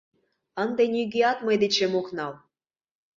Ынде нигӧат мый дечем ок нал!